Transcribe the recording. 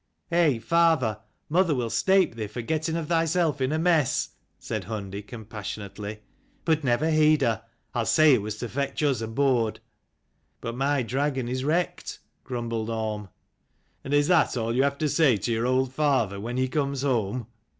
"Eh, father, mother will snape thee for for getting of thyself in a mess!" said Hundi compassionately. "But never heed her: I'll say it was to fetch us aboard." " But my dragon is wrecked," grumbled Orm. " And is that all you have to say to your old father when he comes home?